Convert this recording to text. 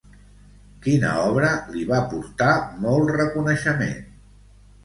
Quina obra li va portar molt reconeixement?